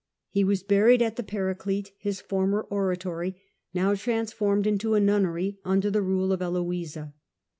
He was buried at the Paraclete, his former oratory, now transformed into a nunnery, under the rule of Heloisa.